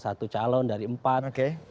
satu calon dari empat